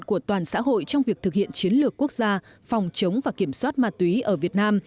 của toàn xã hội trong việc thực hiện chiến lược quốc gia phòng chống và kiểm soát ma túy ở việt nam